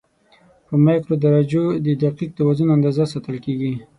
په مایکرو درجو د دقیق توازن اندازه ساتل کېږي.